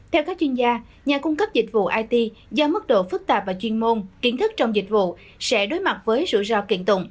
theo các chuyên gia nhà cung cấp dịch vụ it do mức độ phức tạp và chuyên môn kiến thức trong dịch vụ sẽ đối mặt với rủi ro kiện tụng